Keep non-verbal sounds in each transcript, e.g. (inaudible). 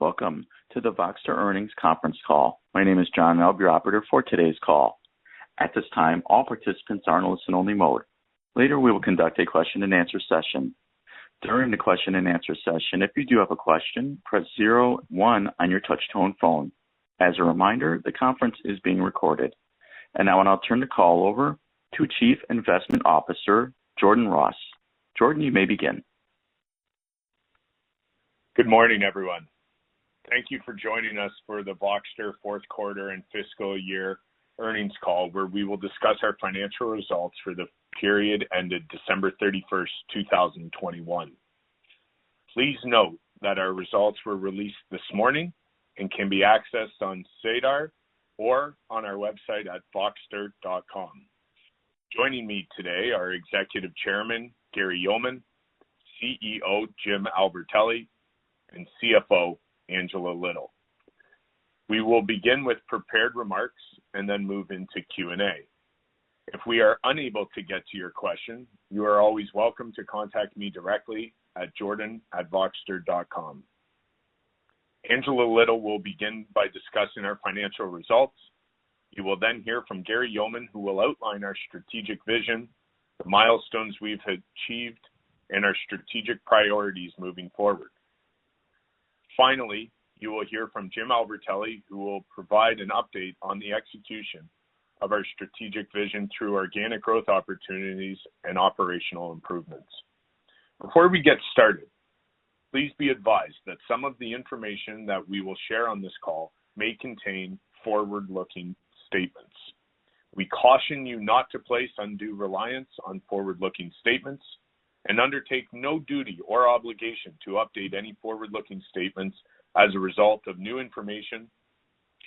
Welcome to the Voxtur earnings conference call. My name is John, I'll be your operator for today's call. At this time, all participants are in a listen only mode. Later, we will conduct a question-and-answer session. During the question-and-answer session, if you do have a question, press zero one on your touch-tone phone. As a reminder, the conference is being recorded. Now I'll turn the call over to Chief Investment Officer, Jordan Ross. Jordan, you may begin. Good morning, everyone. Thank you for joining us for the Voxtur fourth quarter and fiscal year earnings call, where we will discuss our financial results for the period ended December 31st, 2021. Please note that our results were released this morning and can be accessed on SEDAR or on our website at voxtur.com. Joining me today are Executive Chairman Gary Yeoman, CEO Jim Albertelli, and CFO Angela Little. We will begin with prepared remarks and then move into Q&A. If we are unable to get to your question, you are always welcome to contact me directly at jordan@voxtur.com. Angela Little will begin by discussing our financial results. You will then hear from Gary Yeoman, who will outline our strategic vision, the milestones we've achieved, and our strategic priorities moving forward. Finally, you will hear from Jim Albertelli, who will provide an update on the execution of our strategic vision through organic growth opportunities and operational improvements. Before we get started, please be advised that some of the information that we will share on this call may contain forward-looking statements. We caution you not to place undue reliance on forward-looking statements and undertake no duty or obligation to update any forward-looking statements as a result of new information,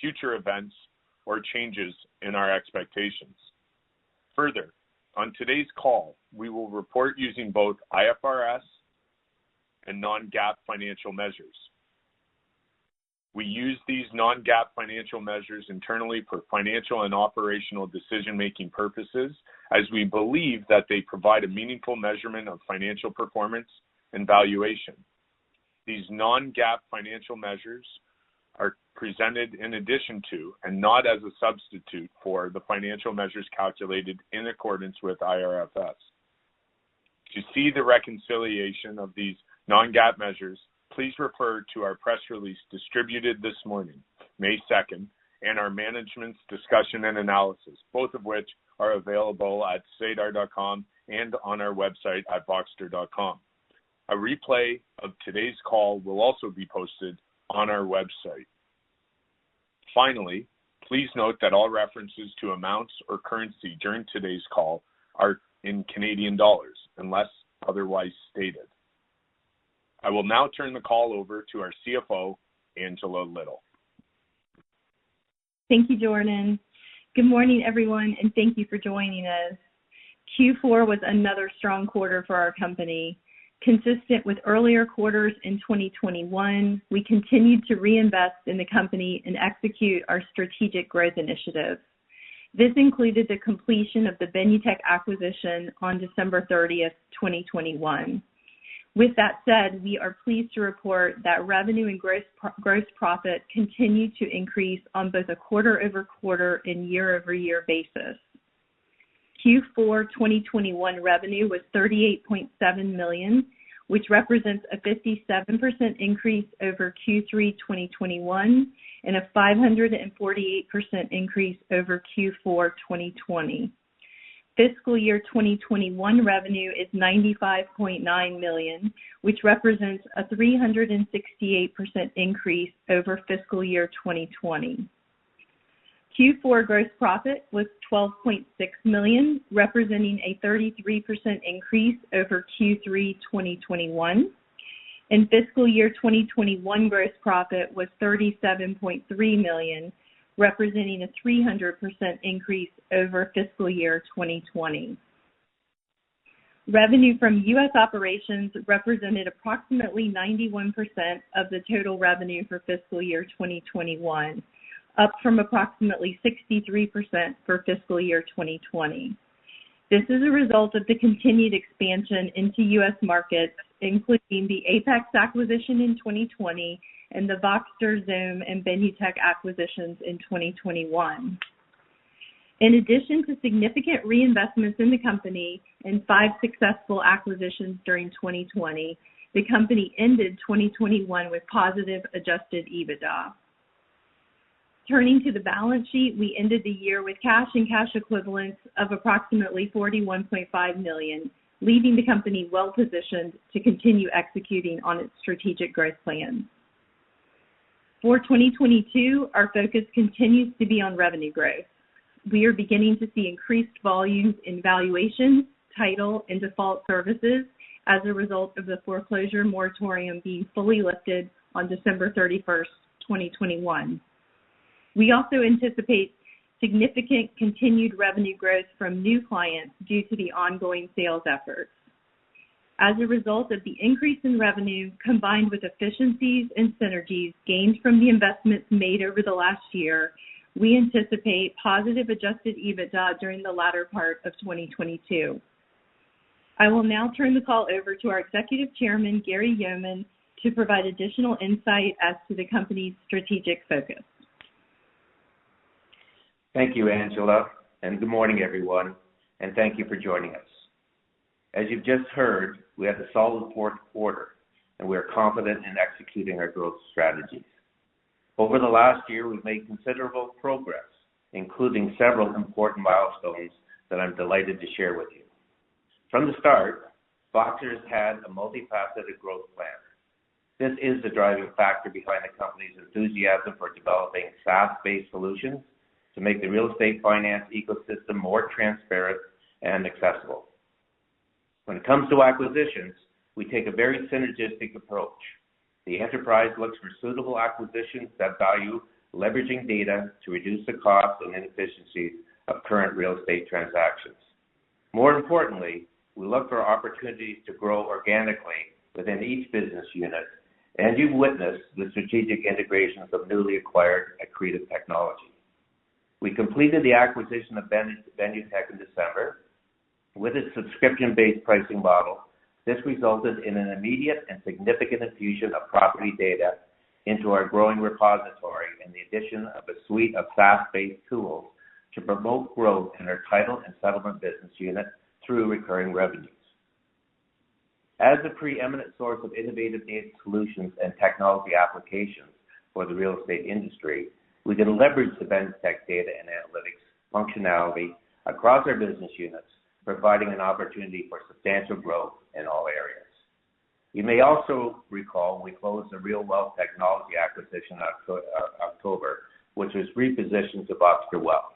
future events, or changes in our expectations. Further, on today's call, we will report using both IFRS and non-GAAP financial measures. We use these non-GAAP financial measures internally for financial and operational decision-making purposes, as we believe that they provide a meaningful measurement of financial performance and valuation. These non-GAAP financial measures are presented in addition to, and not as a substitute for, the financial measures calculated in accordance with IFRS. To see the reconciliation of these non-GAAP measures, please refer to our press release distributed this morning, May second, and our management's discussion and analysis, both of which are available at sedar.com and on our website at voxtur.com. A replay of today's call will also be posted on our website. Finally, please note that all references to amounts or currency during today's call are in Canadian dollars, unless otherwise stated. I will now turn the call over to our CFO, Angela Little. Thank you, Jordan. Good morning, everyone, and thank you for joining us. Q4 was another strong quarter for our company. Consistent with earlier quarters in 2021, we continued to reinvest in the company and execute our strategic growth initiatives. This included the completion of the Benutech acquisition on December 30th, 2021. With that said, we are pleased to report that revenue and gross profit continued to increase on both a quarter-over-quarter and year-over-year basis. Q4 2021 revenue was 38.7 million, which represents a 57% increase over Q3 2021 and a 548% increase over Q4 2020. Fiscal year 2021 revenue is 95.9 million, which represents a 368% increase over fiscal year 2020. Q4 gross profit was 12.6 million, representing a 33% increase over Q3 2021, and fiscal year 2021 gross profit was 37.3 million, representing a 300% increase over fiscal year 2020. Revenue from U.S. operations represented approximately 91% of the total revenue for fiscal year 2021, up from approximately 63% for fiscal year 2020. This is a result of the continued expansion into U.S. markets, including the APEX acquisition in 2020 and the Voxtur, Xome, and Benutech acquisitions in 2021. In addition to significant reinvestments in the company and five successful acquisitions during 2020, the company ended 2021 with positive Adjusted EBITDA. Turning to the balance sheet, we ended the year with cash and cash equivalents of approximately 41.5 million, leaving the company well-positioned to continue executing on its strategic growth plans. For 2022, our focus continues to be on revenue growth. We are beginning to see increased volumes in valuation, title, and default services as a result of the foreclosure moratorium being fully lifted on December 31st, 2021. We also anticipate significant continued revenue growth from new clients due to the ongoing sales efforts. As a result of the increase in revenue combined with efficiencies and synergies gained from the investments made over the last year, we anticipate positive Adjusted EBITDA during the latter part of 2022. I will now turn the call over to our Executive Chairman, Gary Yeoman, to provide additional insight as to the company's strategic focus. Thank you, Angela, and good morning, everyone, and thank you for joining us. As you've just heard, we had a solid fourth quarter, and we are confident in executing our growth strategies. Over the last year, we've made considerable progress, including several important milestones that I'm delighted to share with you. From the start, Voxtur has had a multifaceted growth plan. This is the driving factor behind the company's enthusiasm for developing SaaS-based solutions to make the real estate finance ecosystem more transparent and accessible. When it comes to acquisitions, we take a very synergistic approach. The enterprise looks for suitable acquisitions that value leveraging data to reduce the cost and inefficiencies of current real estate transactions. More importantly, we look for opportunities to grow organically within each business unit, and you've witnessed the strategic integrations of newly acquired accretive technology. We completed the acquisition of Benutech in December. With its subscription-based pricing model, this resulted in an immediate and significant infusion of property data into our growing repository and the addition of a suite of SaaS-based tools to promote growth in our title and settlement business unit through recurring revenues. As a preeminent source of innovative data solutions and technology applications for the real estate industry, we can leverage the Benutech data and analytics functionality across our business units, providing an opportunity for substantial growth in all areas. You may also recall we closed the RealWealth technology acquisition on October, which has repositioned to Voxtur Wealth.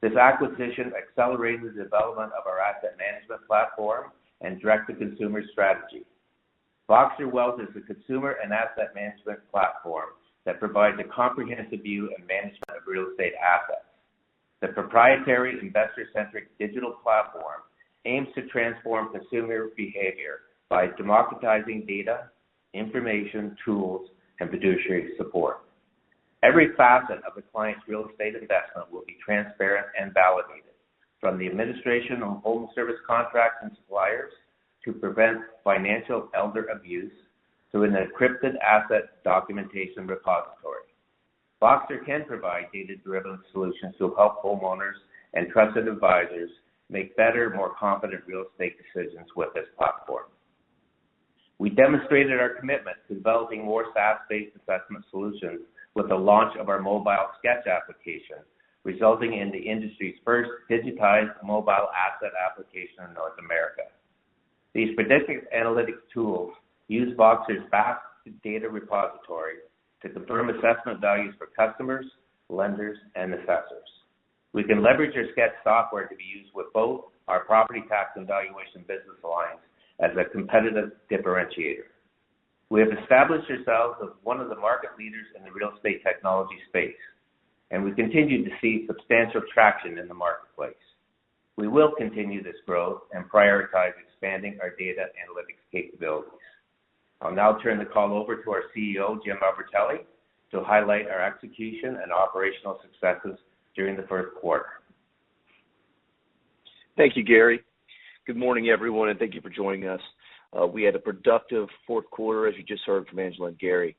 This acquisition accelerates the development of our asset management platform and direct-to-consumer strategy. Voxtur Wealth is a consumer and asset management platform that provides a comprehensive view and management of real estate assets. The proprietary investor-centric digital platform aims to transform consumer behavior by democratizing data, information, tools, and fiduciary support. Every facet of a client's real estate investment will be transparent and validated, from the administration of home service contracts and suppliers to prevent financial elder abuse to an encrypted asset documentation repository. Voxtur can provide data-driven solutions to help homeowners and trusted advisors make better, more confident real estate decisions with this platform. We demonstrated our commitment to developing more SaaS-based assessment solutions with the launch of our mobile sketch application, resulting in the industry's first digitized mobile asset application in North America. These predictive analytics tools use Voxtur's vast data repository to confirm assessment values for customers, lenders, and assessors. We can leverage our sketch software to be used with both our property tax and valuation business alliance as a competitive differentiator. We have established ourselves as one of the market leaders in the real estate technology space, and we continue to see substantial traction in the marketplace. We will continue this growth and prioritize expanding our data analytics capabilities. I'll now turn the call over to our CEO, Jim Albertelli, to highlight our execution and operational successes during the first quarter. Thank you, Gary. Good morning, everyone, and thank you for joining us. We had a productive fourth quarter, as you just heard from Angela and Gary.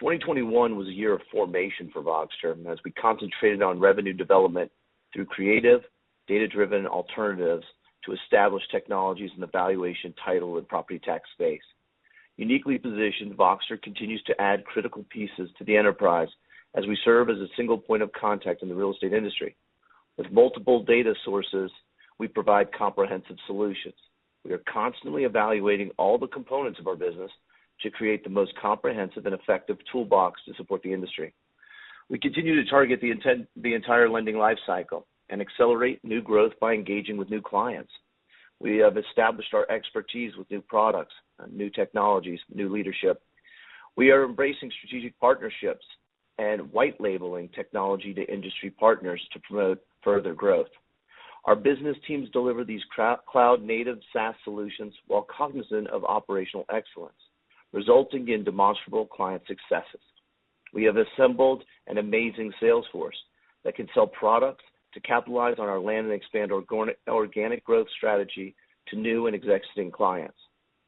2021 was a year of formation for Voxtur as we concentrated on revenue development through creative, data-driven alternatives to establish technologies in the valuation, title, and property tax space. Uniquely positioned, Voxtur continues to add critical pieces to the enterprise as we serve as a single point of contact in the real estate industry. With multiple data sources, we provide comprehensive solutions. We are constantly evaluating all the components of our business to create the most comprehensive and effective toolbox to support the industry. We continue to target the entire lending life cycle and accelerate new growth by engaging with new clients. We have established our expertise with new products, new technologies, new leadership. We are embracing strategic partnerships and white labeling technology to industry partners to promote further growth. Our business teams deliver these cloud-native SaaS solutions while cognizant of operational excellence, resulting in demonstrable client successes. We have assembled an amazing sales force that can sell products to capitalize on our land and expand organic growth strategy to new and existing clients.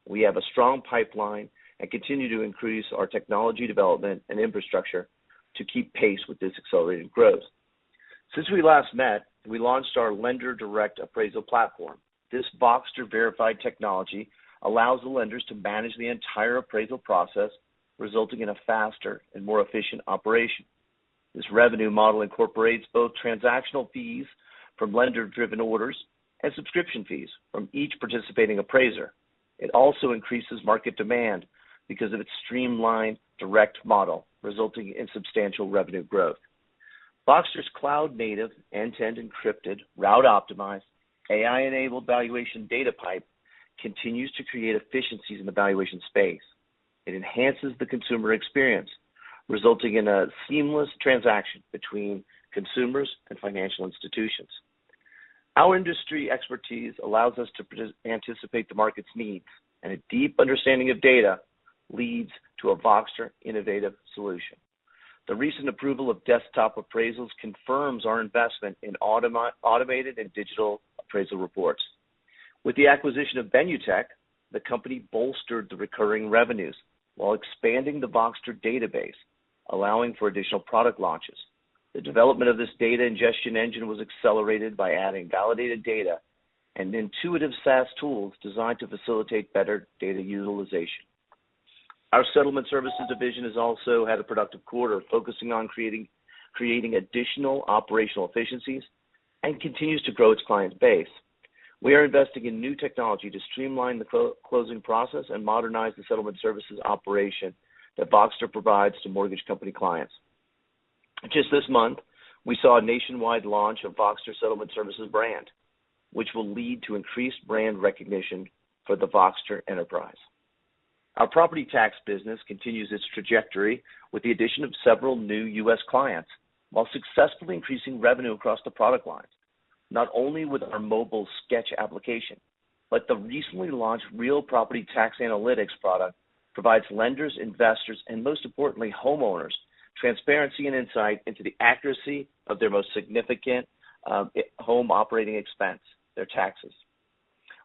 We have a strong pipeline and continue to increase our technology development and infrastructure to keep pace with this accelerated growth. Since we last met, we launched our lender direct appraisal platform. This Voxtur-verified technology allows the lenders to manage the entire appraisal process, resulting in a faster and more efficient operation. This revenue model incorporates both transactional fees from lender-driven orders and subscription fees from each participating appraiser. It also increases market demand because of its streamlined direct model, resulting in substantial revenue growth. Voxtur's cloud-native, end-to-end encrypted, route-optimized, AI-enabled valuation data pipe continues to create efficiencies in the valuation space. It enhances the consumer experience, resulting in a seamless transaction between consumers and financial institutions. Our industry expertise allows us to anticipate the market's needs, and a deep understanding of data leads to a Voxtur innovative solution. The recent approval of desktop appraisals confirms our investment in automated and digital appraisal reports. With the acquisition of Benutech, the company bolstered the recurring revenues while expanding the Voxtur database, allowing for additional product launches. The development of this data ingestion engine was accelerated by adding validated data and intuitive SaaS tools designed to facilitate better data utilization. Our settlement services division has also had a productive quarter, focusing on creating additional operational efficiencies and continues to grow its client base. We are investing in new technology to streamline the closing process and modernize the settlement services operation that Voxtur provides to mortgage company clients. Just this month, we saw a nationwide launch of Voxtur Settlement Services brand, which will lead to increased brand recognition for the Voxtur enterprise. Our property tax business continues its trajectory with the addition of several new U.S. clients, while successfully increasing revenue across the product lines, not only with our mobile sketch application, but the recently launched Real Property Tax Analytics product provides lenders, investors and most importantly, homeowners, transparency and insight into the accuracy of their most significant, home operating expense, their taxes.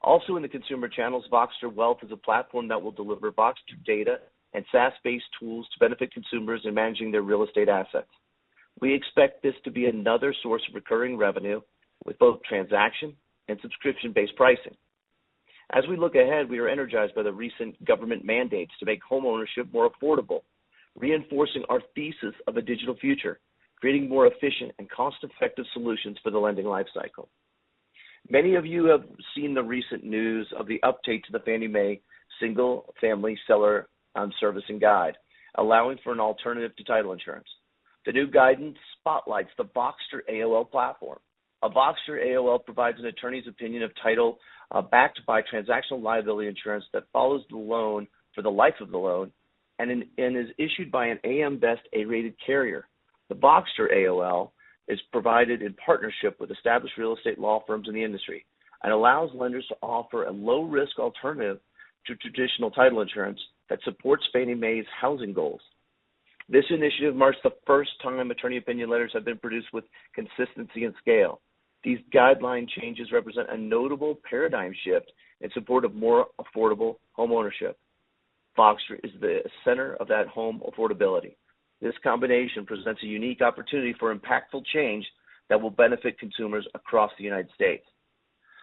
Also in the consumer channels, Voxtur Wealth is a platform that will deliver Voxtur data and SaaS-based tools to benefit consumers in managing their real estate assets. We expect this to be another source of recurring revenue with both transaction and subscription-based pricing. As we look ahead, we are energized by the recent government mandates to make homeownership more affordable, reinforcing our thesis of a digital future, creating more efficient and cost-effective solutions for the lending life cycle. Many of you have seen the recent news of the update to the Fannie Mae Single-Family Selling and Servicing Guide, allowing for an alternative to title insurance. The new guidance spotlights the Voxtur AOL platform. A Voxtur AOL provides an attorney's opinion of title, backed by transactional liability insurance that follows the loan for the life of the loan and is issued by an AM Best A rated carrier. The Voxtur AOL is provided in partnership with established real estate law firms in the industry and allows lenders to offer a low-risk alternative to traditional title insurance that supports Fannie Mae's housing goals. This initiative marks the first time attorney opinion letters have been produced with consistency and scale. These guideline changes represent a notable paradigm shift in support of more affordable homeownership. Voxtur is the center of that home affordability. This combination presents a unique opportunity for impactful change that will benefit consumers across the United States.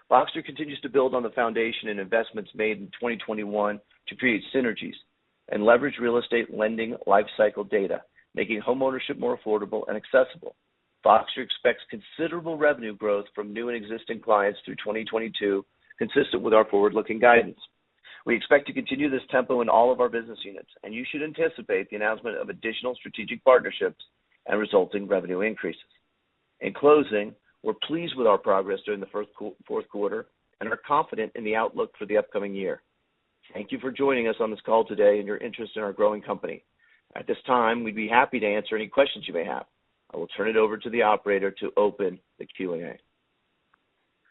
Voxtur continues to build on the foundation and investments made in 2021 to create synergies and leverage real estate lending life cycle data, making homeownership more affordable and accessible. Voxtur expects considerable revenue growth from new and existing clients through 2022, consistent with our forward-looking guidance. We expect to continue this tempo in all of our business units, and you should anticipate the announcement of additional strategic partnerships and resulting revenue increases. In closing, we're pleased with our progress during the fourth quarter and are confident in the outlook for the upcoming year. Thank you for joining us on this call today and your interest in our growing company. At this time, we'd be happy to answer any questions you may have. I will turn it over to the operator to open the Q&A.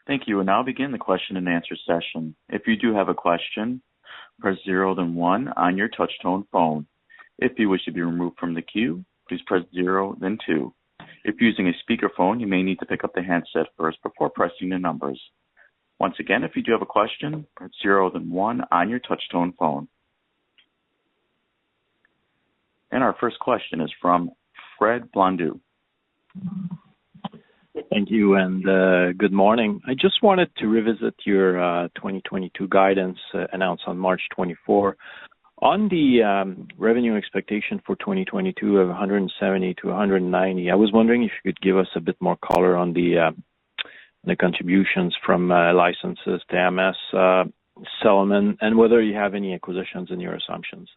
Thank you. We'll now begin the question-and-answer session. If you do have a question, press zero, then one on your touch tone phone. If you wish to be removed from the queue, please press zero, then two. If using a speakerphone, you may need to pick up the handset first before pressing the numbers. Once again, if you do have a question, press zero, then one on your touch tone phone. Our first question is from Fred Blondeau. Thank you, and good morning. I just wanted to revisit your 2022 guidance announced on March 24. On the revenue expectation for 2022 of 170-190, I was wondering if you could give us a bit more color on the contributions from licenses to MLS, settlement, and whether you have any acquisitions in your assumptions?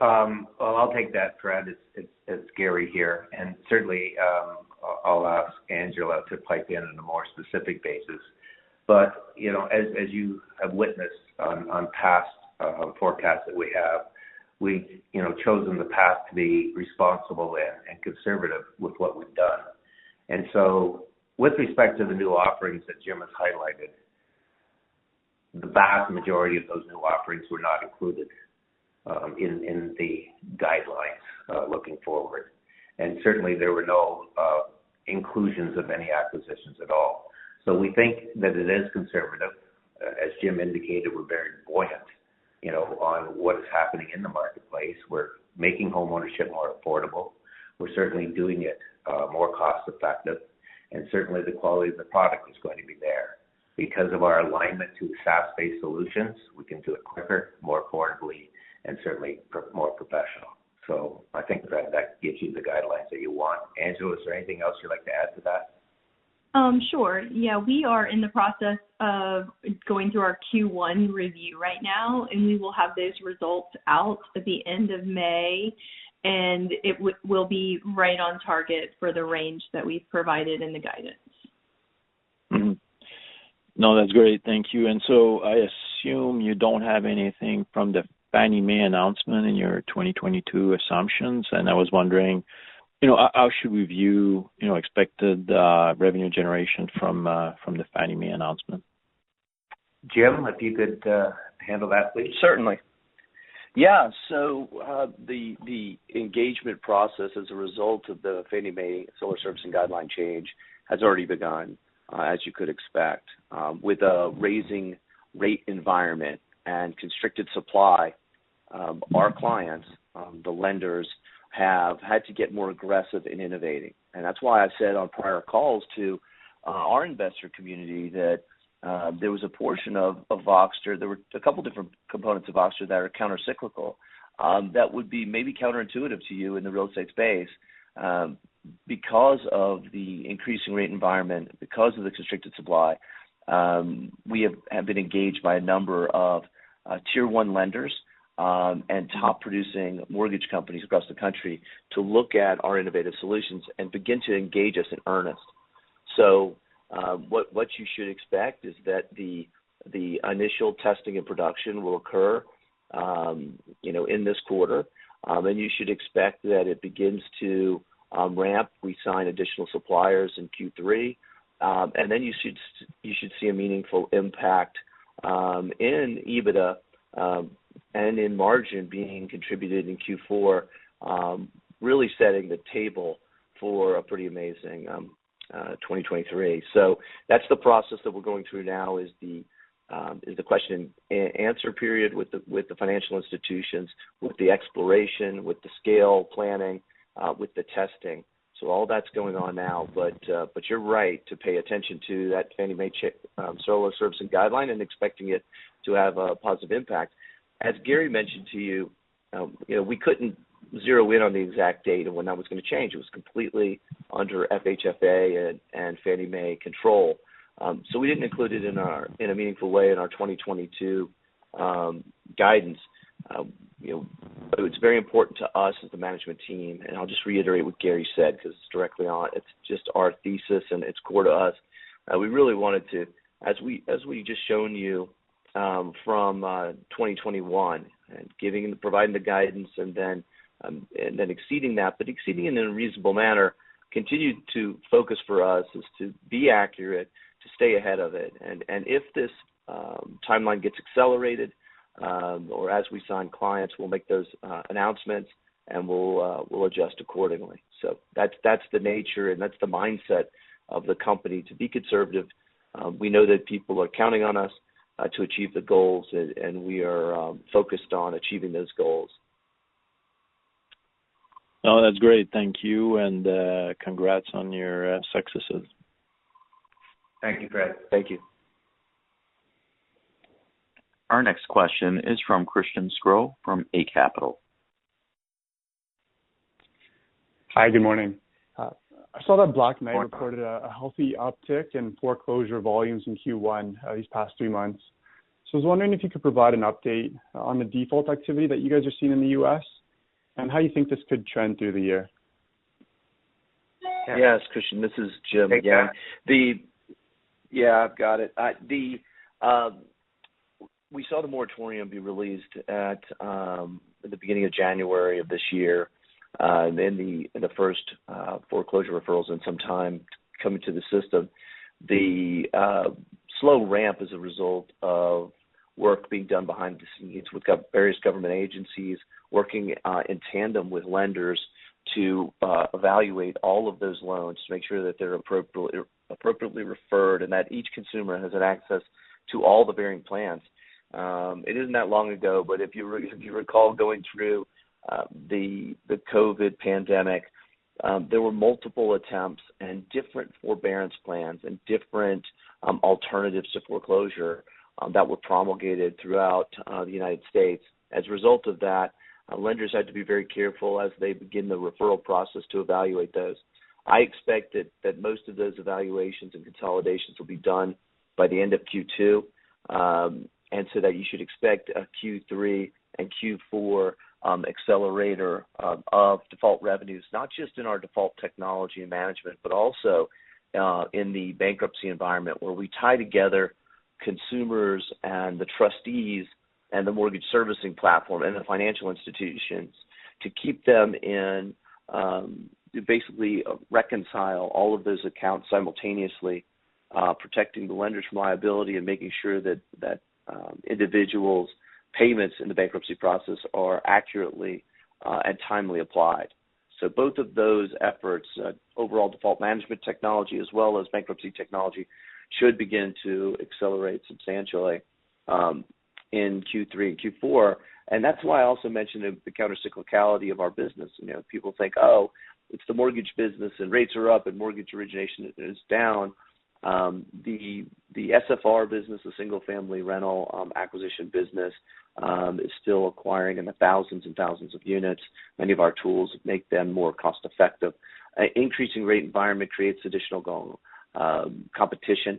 Well, I'll take that, Fred. It's Gary here, and certainly, I'll ask Angela to pipe in on a more specific basis. You know, as you have witnessed on past forecasts that we have, we, you know, chosen the path to be responsible and conservative with what we've done. With respect to the new offerings that Jim has highlighted, the vast majority of those new offerings were not included in the guidelines looking forward. Certainly, there were no inclusions of any acquisitions at all. We think that it is conservative. As Jim indicated, we're very buoyant, you know, on what is happening in the marketplace. We're making homeownership more affordable. We're certainly doing it more cost-effective, and certainly, the quality of the product is going to be there. Because of our alignment to SaaS-based solutions, we can do it quicker, more affordably, and certainly more professional. I think that gives you the guidelines that you want. Angela, is there anything else you'd like to add to that? Sure. Yeah. We are in the process of going through our Q1 review right now, and we will have those results out at the end of May, and it will be right on target for the range that we've provided in the guidance. Mm-hmm. No, that's great. Thank you. I assume you don't have anything from the Fannie Mae announcement in your 2022 assumptions, and I was wondering, you know, how should we view, you know, expected revenue generation from the Fannie Mae announcement? Jim, if you could, handle that please. Certainly. Yeah. The engagement process as a result of the Fannie Mae solar servicing guideline change has already begun, as you could expect, with a rising rate environment and constricted supply, our clients, the lenders have had to get more aggressive in innovating. That's why I've said on prior calls to our investor community that there was a portion of Voxtur. There were a couple different components of Voxtur that are countercyclical that would be maybe counterintuitive to you in the real estate space. Because of the increasing rate environment, because of the constricted supply, we have been engaged by a number of tier one lenders and top producing mortgage companies across the country to look at our innovative solutions and begin to engage us in earnest. What you should expect is that the initial testing and production will occur, you know, in this quarter. You should expect that it begins to ramp. We sign additional suppliers in Q3. You should see a meaningful impact in EBITDA and in margin being contributed in Q4, really setting the table for a pretty amazing 2023. That's the process that we're going through now is the question and answer period with the financial institutions, with the exploration, with the scale planning, with the testing. All that's going on now. You're right to pay attention to that Fannie Mae solar servicing guideline and expecting it to have a positive impact. As Gary mentioned to you know, we couldn't zero in on the exact date and when that was gonna change. It was completely under FHFA and Fannie Mae control. So we didn't include it in a meaningful way in our 2022 guidance. You know, but it's very important to us as the management team, and I'll just reiterate what Gary said because it's just our thesis, and it's core to us. We really wanted to as we just shown you from 2021 and giving and providing the guidance and then exceeding that, but exceeding it in a reasonable manner, continued to focus for us is to be accurate, to stay ahead of it. If this timeline gets accelerated, or as we sign clients, we'll make those announcements, and we'll adjust accordingly. That's the nature, and that's the mindset of the company to be conservative. We know that people are counting on us to achieve the goals, and we are focused on achieving those goals. No, that's great. Thank you, and congrats on your successes. Thank you, Fred. Thank you. Our next question is from Christian Sgro from Eight Capital. Hi. Good morning. I saw that Black Knight (crosstalk) reported a healthy uptick in foreclosure volumes in Q1, these past three months. I was wondering if you could provide an update on the default activity that you guys are seeing in the U.S. and how you think this could trend through the year? Yes, Christian, this is Jim again. Yeah, I've got it. We saw the moratorium be released at the beginning of January of this year, and then the first foreclosure referrals in some time coming to the system. The slow ramp as a result of work being done behind the scenes with various government agencies working in tandem with lenders to evaluate all of those loans to make sure that they're appropriately referred and that each consumer has access to all the varying plans. It isn't that long ago, but if you recall going through the COVID pandemic, there were multiple attempts and different forbearance plans and different alternatives to foreclosure that were promulgated throughout the United States. As a result of that, lenders had to be very careful as they begin the referral process to evaluate those. I expect that most of those evaluations and consolidations will be done by the end of Q2. That you should expect a Q3 and Q4 accelerator of default revenues, not just in our default technology management, but also in the bankruptcy environment, where we tie together consumers and the trustees and the mortgage servicing platform and the financial institutions to keep them in, basically reconcile all of those accounts simultaneously, protecting the lenders from liability and making sure that individuals' payments in the bankruptcy process are accurately and timely applied. Both of those efforts, overall default management technology as well as bankruptcy technology, should begin to accelerate substantially in Q3 and Q4. That's why I also mentioned the countercyclicality of our business. You know, people think, oh, it's the mortgage business, and rates are up, and mortgage origination is down. The SFR business, the Single-Family Rental acquisition business, is still acquiring in the thousands and thousands of units. Many of our tools make them more cost effective. Increasing rate environment creates additional goal. Competition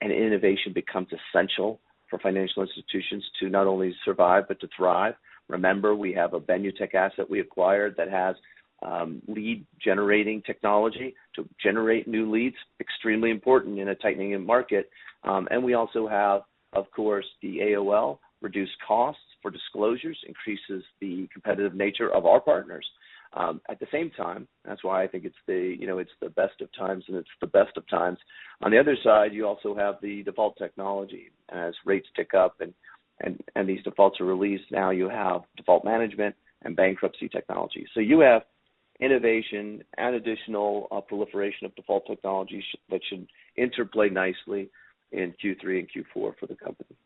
and innovation becomes essential for financial institutions to not only survive but to thrive. Remember, we have a Benutech asset we acquired that has lead generating technology to generate new leads, extremely important in a tightening market. We also have, of course, the AOL reduced costs for disclosures, increases the competitive nature of our partners. At the same time, that's why I think it's the, you know, it's the best of times, and it's the best of times. On the other side, you also have the default technology. As rates tick up and these defaults are released, now you have default management and bankruptcy technology. You have innovation and additional proliferation of default technologies that should interplay nicely in Q3 and Q4 for the company.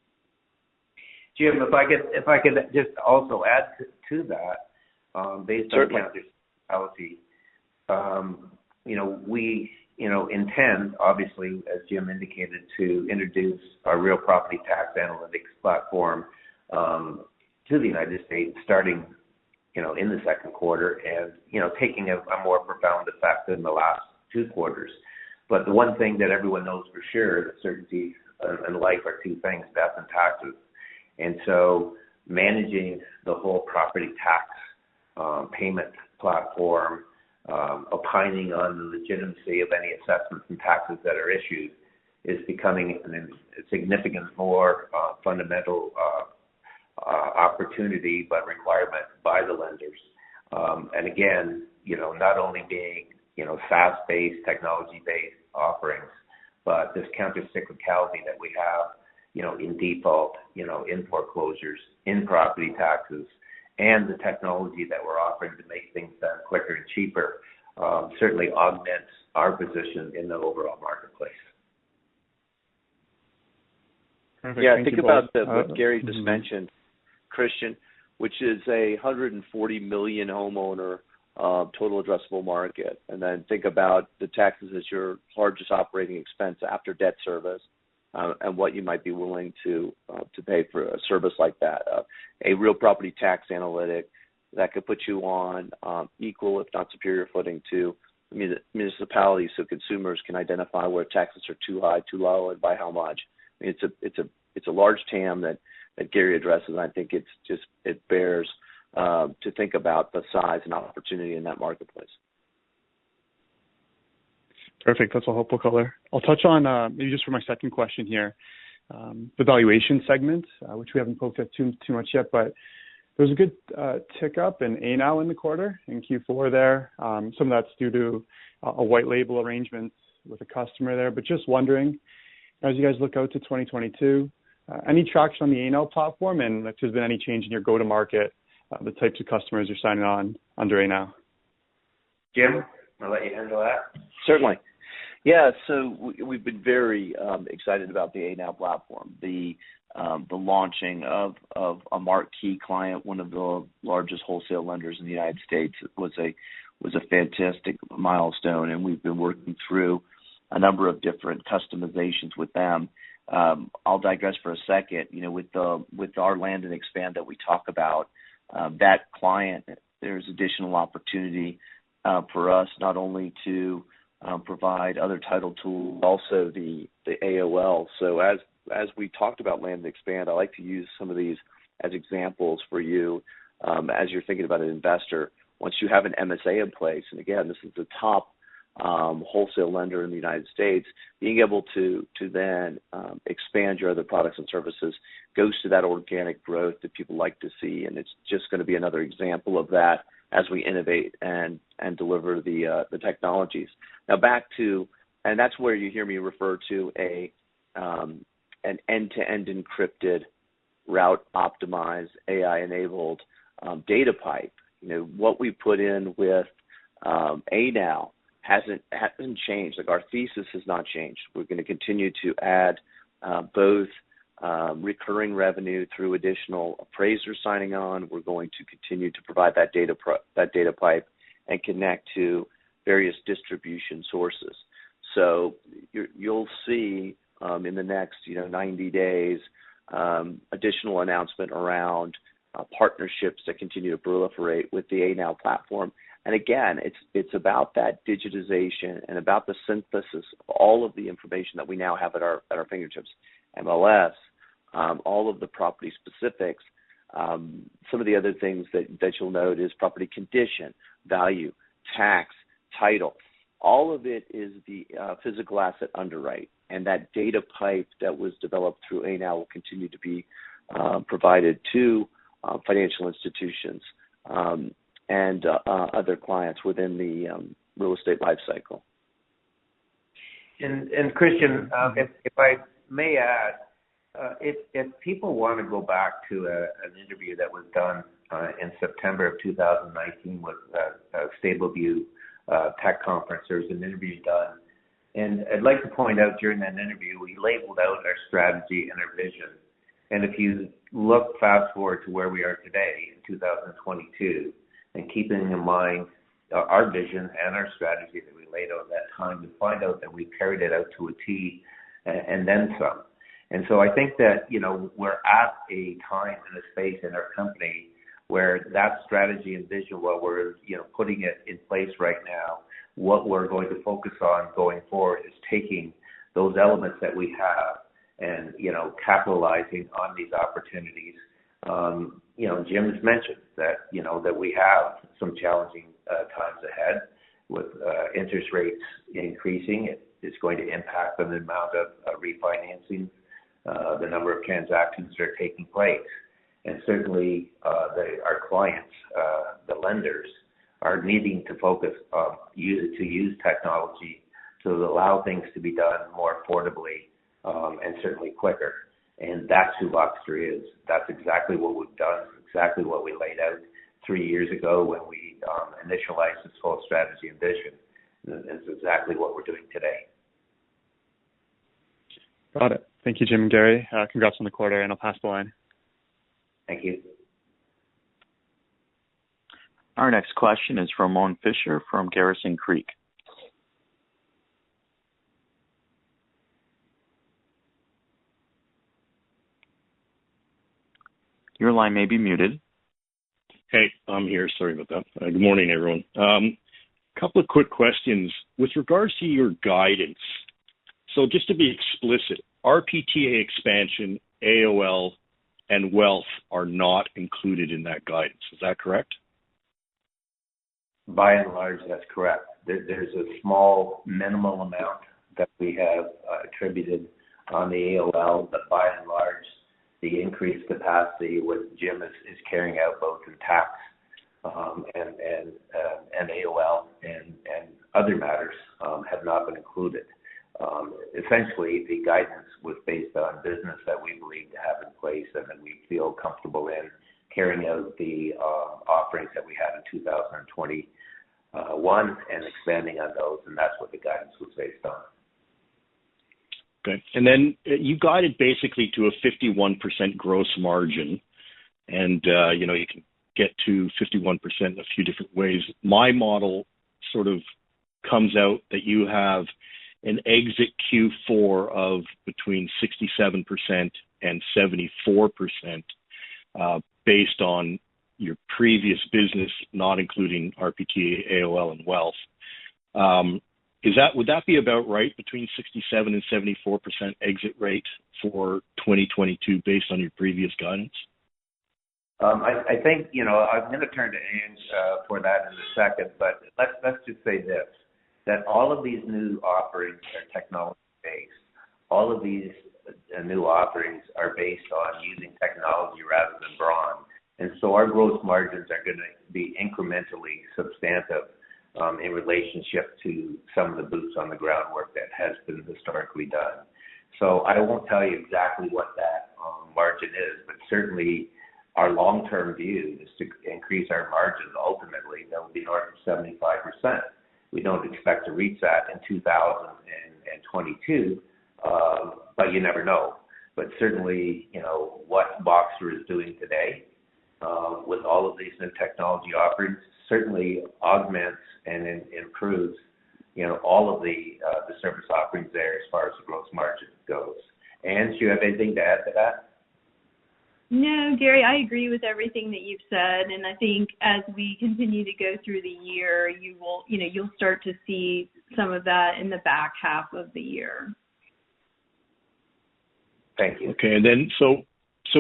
Jim, if I could just also add to that, based on (crosstalk) countercyclicality, we intend, obviously, as Jim indicated, to introduce our Real Property Tax Analytics platform to the United States starting in the second quarter and taking a more profound effect than the last two quarters. The one thing that everyone knows for sure, the certainties in life are two things, death and taxes. Managing the whole property tax payment platform, opining on the legitimacy of any assessments and taxes that are issued is becoming a significantly more fundamental opportunity, but requirement by the lenders. Again, you know, not only being, you know, SaaS-based, technology-based offerings, but this countercyclicality that we have, you know, in default, you know, in foreclosures, in property taxes, and the technology that we're offering to make things done quicker and cheaper, certainly augments our position in the overall marketplace. Yeah. Think about what Gary just mentioned, Christian, which is 140 million homeowner total addressable market. Then think about the taxes as your largest operating expense after debt service, and what you might be willing to pay for a service like that. A Real Property Tax Analytic that could put you on equal, if not superior footing to municipalities so consumers can identify where taxes are too high, too low, and by how much. It's a large TAM that Gary addresses. I think it bears to think about the size and opportunity in that marketplace. Perfect. That's a helpful color. I'll touch on, maybe just for my second question here, the valuation segment, which we haven't focused on too much yet. There was a good tick up in Anow in the quarter, in Q4 there. Some of that's due to a white label arrangement with a customer there. Just wondering, as you guys look out to 2022, any traction on the Anow platform? And if there's been any change in your go-to-market, the types of customers you're signing on under Anow? Jim, I'll let you handle that. Certainly. Yeah. We've been very excited about the Anow platform. The launching of a marquee client, one of the largest wholesale lenders in the United States, was a fantastic milestone, and we've been working through a number of different customizations with them. I'll digress for a second. You know, with our land and expand that we talk about, that client, there's additional opportunity for us not only to provide other title tools, also the AOL. As we talked about land and expand, I like to use some of these as examples for you, as you're thinking about an investor. Once you have an MSA in place, and again, this is the top wholesale lender in the United States, being able to then expand your other products and services goes to that organic growth that people like to see. It's just gonna be another example of that as we innovate and deliver the technologies. Now back to. That's where you hear me refer to an end-to-end encrypted, route optimized, AI-enabled data pipe. You know, what we put in with Anow hasn't changed. Like, our thesis has not changed. We're gonna continue to add both recurring revenue through additional appraisers signing on. We're going to continue to provide that data pipe and connect to various distribution sources. You'll see in the next, you know, 90 days, additional announcement around partnerships that continue to proliferate with the Anow platform. Again, it's about that digitization and about the synthesis of all of the information that we now have at our fingertips. MLS, all of the property specifics. Some of the other things that you'll note is property condition, value, tax, title. All of it is the physical asset underwrite, and that data pipe that was developed through Anow will continue to be provided to financial institutions and other clients within the real estate lifecycle. Christian, if I may add, if people wanna go back to an interview that was done in September of 2019 with StableView tech conference, there was an interview done. I'd like to point out during that interview, we laid out our strategy and our vision. If you look fast-forward to where we are today in 2022, and keeping in mind our vision and our strategy that we laid out that time, you'll find out that we carried it out to a T, and then some. I think that, you know, we're at a time and a space in our company where that strategy and vision, while we're, you know, putting it in place right now, what we're going to focus on going forward is taking those elements that we have and, you know, capitalizing on these opportunities. You know, Jim's mentioned that, you know, that we have some challenging times ahead with interest rates increasing. It's going to impact on the amount of refinancing, the number of transactions that are taking place. Certainly, our clients, the lenders, are needing us to use technology to allow things to be done more affordably, and certainly quicker. That's who Voxtur is. That's exactly what we've done, exactly what we laid out three years ago when we initiated this whole strategy and vision. That's exactly what we're doing today. Got it. Thank you, Jim and Gary. Congrats on the quarter, and I'll pass the line. Thank you. Our next question is from Colin Fisher from Garrison Creek. Your line may be muted. Hey, I'm here. Sorry about that. Good morning, everyone. Couple of quick questions. With regards to your guidance, so just to be explicit, RPTA expansion, AOL, and wealth are not included in that guidance. Is that correct? By and large, that's correct. There's a small minimal amount that we have attributed on the AOL, but by and large, the increased capacity what Jim is carrying out both through tax and AOL and other matters have not been included. Essentially, the guidance was based on business that we believe to have in place and that we feel comfortable in carrying out the offerings that we had in 2021 and expanding on those, and that's what the guidance was based on. Okay. You guided basically to a 51% gross margin, and, you know, you can get to 51% in a few different ways. My model sort of comes out that you have an exit Q4 of between 67% and 74%, based on your previous business, not including RPTA, AOL, and wealth. Would that be about right between 67% and 74% exit rates for 2022 based on your previous guidance? I think, you know, I'm gonna turn to Angela for that in a second, but let's just say this, that all of these new offerings are technology-based. All of these new offerings are based on using technology rather than brawn. Our gross margins are gonna be incrementally substantial in relationship to some of the boots on the ground work that has been historically done. I won't tell you exactly what that margin is, but certainly our long-term view is to increase our margins. Ultimately, that would be north of 75%. We don't expect to reach that in 2022, but you never know. Certainly, you know, what Voxtur is doing today, with all of these new technology offerings certainly augments and improves, you know, all of the service offerings there as far as the growth margin goes. Ange, you have anything to add to that? No, Gary, I agree with everything that you've said, and I think as we continue to go through the year, you know, you'll start to see some of that in the back half of the year. Thank you.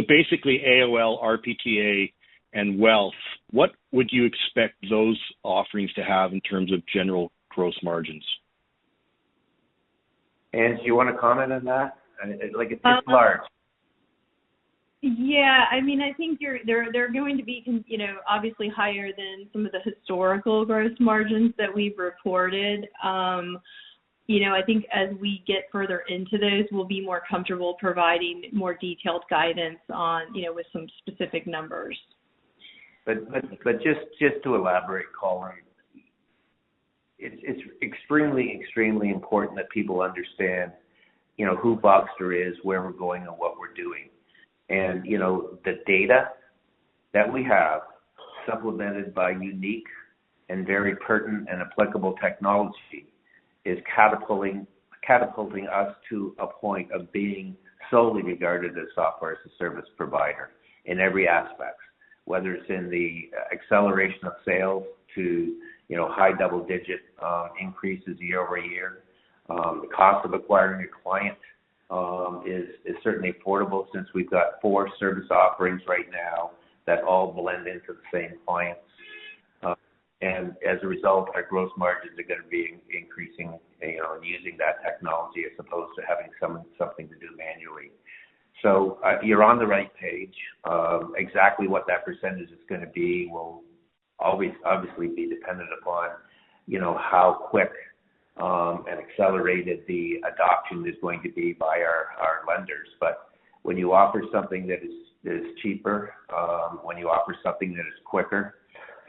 Basically AOL, RPTA, and wealth, what would you expect those offerings to have in terms of general gross margins? Angela, you wanna comment on that? Like at this large. Yeah. I mean, I think they're going to be, you know, obviously higher than some of the historical gross margins that we've reported. You know, I think as we get further into those, we'll be more comfortable providing more detailed guidance on, you know, with some specific numbers. Just to elaborate, Colin, it's extremely important that people understand, you know, who Voxtur is, where we're going, and what we're doing. You know, the data that we have supplemented by unique and very pertinent and applicable technology is catapulting us to a point of being solely regarded as software as a service provider in every aspect, whether it's in the acceleration of sales to, you know, high double-digit increases year-over-year. The cost of acquiring a client is certainly affordable since we've got four service offerings right now that all blend into the same clients. And as a result, our gross margins are gonna be increasing, you know, in using that technology as opposed to having something to do manually. You're on the right page. Exactly what that percentage is gonna be will always obviously be dependent upon, you know, how quick and accelerated the adoption is going to be by our lenders. When you offer something that is cheaper, when you offer something that is quicker,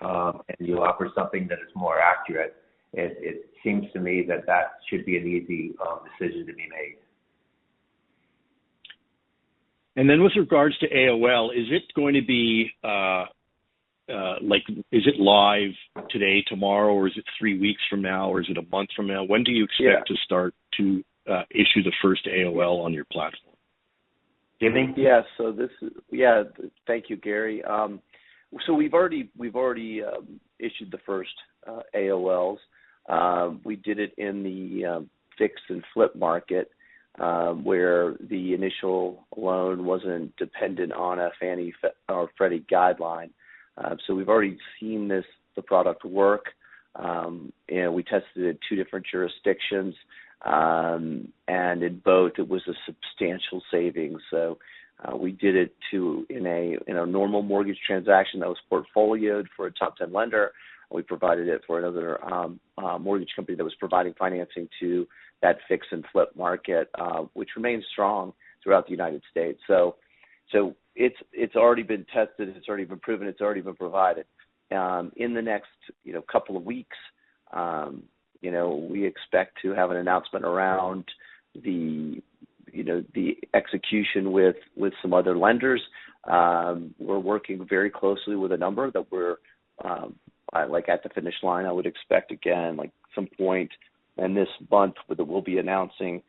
and you offer something that is more accurate, it seems to me that that should be an easy decision to be made. With regards to AOL, is it going to be, like, is it live today, tomorrow, or is it three weeks from now, or is it a month from now? When do you (crosstalk) expect to start to issue the first AOL on your platform? Jimmy? Thank you, Gary. We've already issued the first AOLs. We did it in the fix and flip market, where the initial loan wasn't dependent on a Fannie or Freddie guideline. We've already seen the product work. We tested it in two different jurisdictions, and in both it was a substantial savings. In a normal mortgage transaction that was portfolioed for a top 10 lender, we provided it for another mortgage company that was providing financing to that fix and flip market, which remains strong throughout the United States. It's already been tested, it's already been proven, it's already been provided. In the next, you know, couple of weeks, you know, we expect to have an announcement around the, you know, the execution with some other lenders. We're working very closely with a number that we're, like, at the finish line. I would expect, again, like, some point in this month that we'll be announcing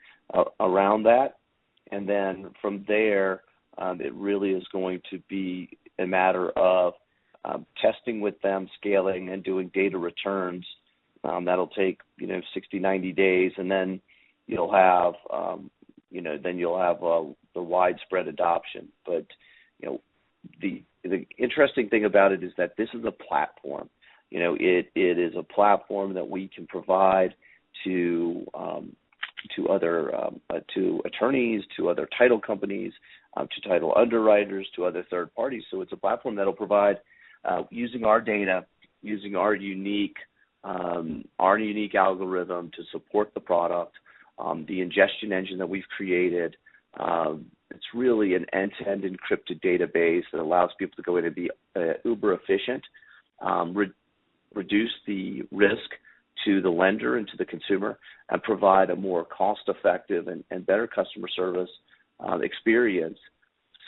around that. From there, it really is going to be a matter of testing with them, scaling, and doing data returns, that'll take, you know, 60, 90 days, and then you'll have the widespread adoption. You know, the interesting thing about it is that this is a platform. You know, it is a platform that we can provide to other attorneys, to other title companies, to title underwriters, to other third parties. It's a platform that'll provide using our data, using our unique algorithm to support the product. The ingestion engine that we've created, it's really an end-to-end encrypted database that allows people to go in and be uber efficient, reduce the risk to the lender and to the consumer, and provide a more cost-effective and better customer service experience.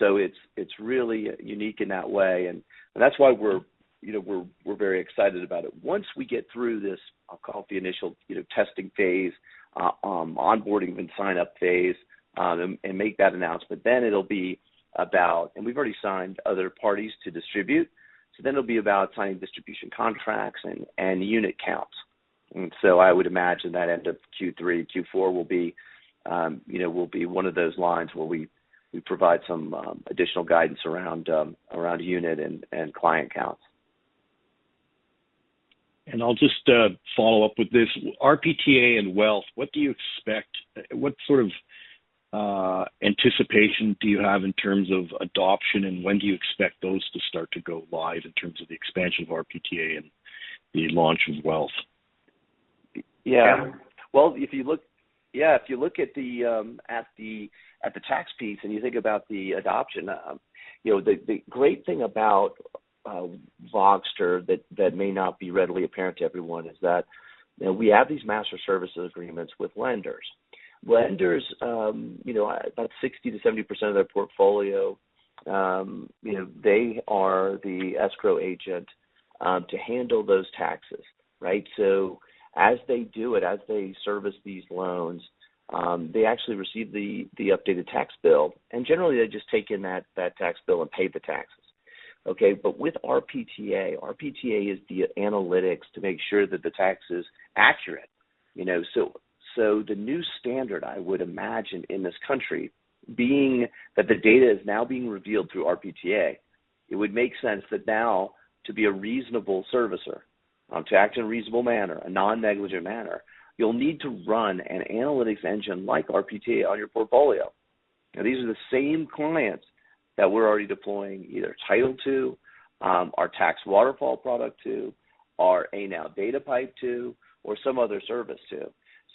It's really unique in that way, and that's why we're, you know, we're very excited about it. Once we get through this, I'll call it the initial, you know, testing phase, onboarding and sign-up phase, and make that announcement, then it'll be about. We've already signed other parties to distribute. It'll be about signing distribution contracts and unit counts. I would imagine that end of Q3, Q4 will be you know one of those lines where we provide some additional guidance around unit and client counts. I'll just follow up with this. RPTA and Wealth, what do you expect? What sort of anticipation do you have in terms of adoption, and when do you expect those to start to go live in terms of the expansion of RPTA and the launch of Wealth? If you look at the tax piece and you think about the adoption, you know, the great thing about Voxtur that may not be readily apparent to everyone is that, you know, we have these master services agreements with lenders. Lenders, you know, about 60%-70% of their portfolio, you know, they are the escrow agent to handle those taxes, right? So as they do it, as they service these loans, they actually receive the updated tax bill, and generally, they just take in that tax bill and pay the taxes. Okay? With RPTA is the analytics to make sure that the tax is accurate, you know? The new standard I would imagine in this country, being that the data is now being revealed through RPTA, it would make sense that now to be a reasonable servicer, to act in a reasonable manner, a non-negligent manner, you'll need to run an analytics engine like RPTA on your portfolio. These are the same clients that we're already deploying either title to, our tax waterfall product to, our Anow data pipe to or some other service to.